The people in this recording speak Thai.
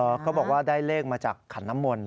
เขาบอกว่าได้เลขมาจากขันน้ำมนต์